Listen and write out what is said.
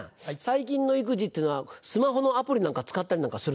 最近の育児っていうのはスマホのアプリなんか使ったりなんかするの？